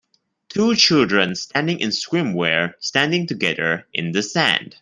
Two children standing in swimwear standing together in the sand.